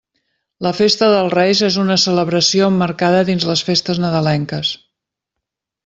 La Festa dels Reis és una celebració emmarcada dins les festes nadalenques.